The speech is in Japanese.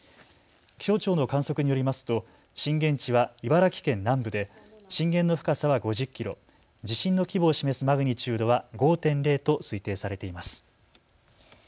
気象庁の観測によりますと震源地は茨城県南部で震源の深さは５０キロ、地震の規模を示すマグニチュードは５．０と推定されています。